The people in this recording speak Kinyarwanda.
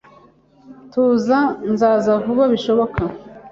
Tuza. Nzaza vuba bishoboka